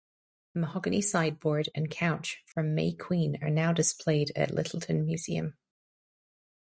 A mahogany sideboard and couch from "May Queen" are now displayed at Lyttelton Museum.